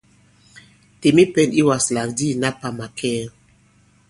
Těm i pɛ̄n i wàslàk di ìna pà màkɛɛ!